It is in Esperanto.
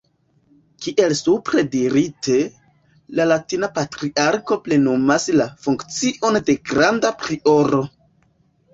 Kiel supre dirite, la latina Patriarko plenumas la funkcion de Granda Prioro.